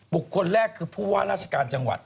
บุคคลแรกคือผู้ว่าราชการจังหวัด